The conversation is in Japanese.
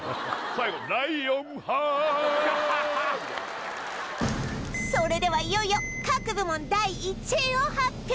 最後それではいよいよ各部門第１位を発表！